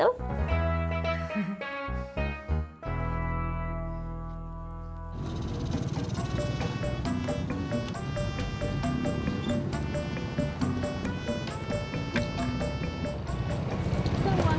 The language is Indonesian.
ini jadi daripada saya nempas buka uang